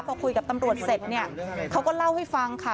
พอคุยกับตำรวจเสร็จเนี่ยเขาก็เล่าให้ฟังค่ะ